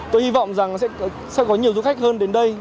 tôi hy vọng rằng sẽ có nhiều du khách hơn đến đây